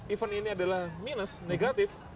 event ini adalah minus negatif